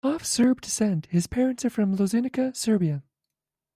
Of Serb descent, his parents are from Loznica, Serbia.